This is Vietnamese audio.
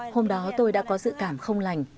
hôm đó tôi đã có dự cảm không lành